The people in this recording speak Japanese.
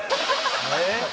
えっ？